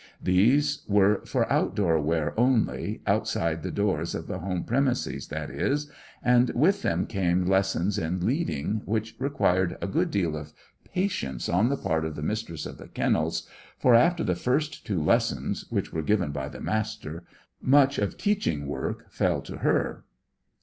These were for outdoor wear only, outside the doors of the home premises that is, and with them came lessons in leading which required a good deal of patience on the part of the Mistress of the Kennels, for, after the first two lessons, which were given by the Master, much of teaching work fell to her.